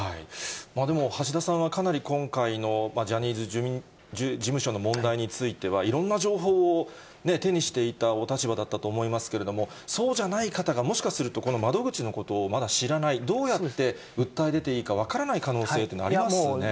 でも橋田さんはかなり今回のジャニーズ事務所の問題については、いろんな情報を手にしていたお立場だったと思いますけれども、そうじゃない方が、もしかすると、この窓口のことをまだ知らない、どうやって訴え出ていいか分からない可能性というのはありますね。